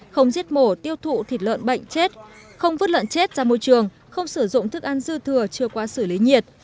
không giết mổ tiêu thụ thịt lợn bệnh chết không vứt lợn chết ra môi trường không sử dụng thức ăn dư thừa chưa qua xử lý nhiệt